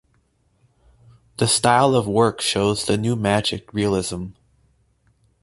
The style of the work shows the new magic realism.